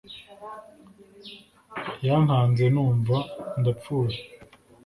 Yankanze numva ndapfuye